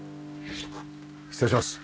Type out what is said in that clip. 失礼します。